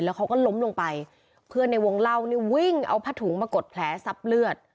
เขาก็ล้มลงไปเพื่อนในวงเล่านี่วิ่งเอาผ้าถุงมากดแผลซับเลือด